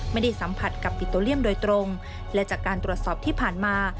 ไม่ได้สัมผัสกับปิโตเลียมโดยตรงและจากการตรวจสอบที่ผ่านมา